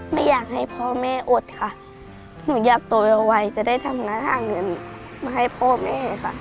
ไม่อยากให้พ่อแม่อดค่ะหนูอยากโตเอาไว้จะได้ทำหน้าหาเงินมาให้พ่อแม่ค่ะ